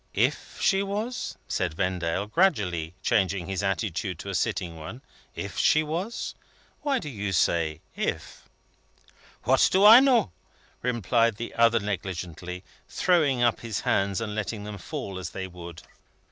"If she was?" said Vendale, gradually changing his attitude to a sitting one. "If she was? Why do you say 'if'?" "What do I know?" replied the other negligently, throwing up his hands and letting them fall as they would.